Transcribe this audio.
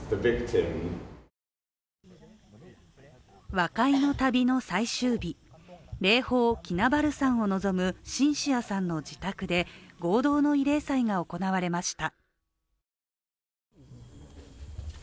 和解の旅の最終日、霊峰・キナバル山を望むシンシアさんの自宅で合同の慰霊祭が行われました。